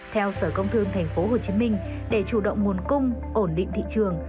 theo sở công thương tp hcm để chủ động nguồn cung ổn định thị trường